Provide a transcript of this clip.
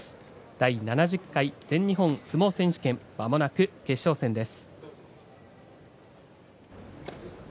第７０回全日本相撲選手権まもなく決勝戦です。